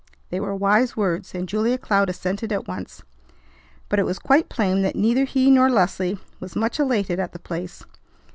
They were wise words, and Julia Cloud assented at once; but it was quite plain that neither he nor Leslie was much elated at the place.